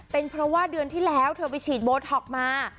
เป็นเพราะว่าเดือนที่แล้วเธอไปฉีดโบท็อกมา